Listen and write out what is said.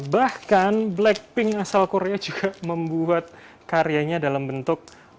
bahkan blackpink asal korea juga membuat karyanya dalam bentuk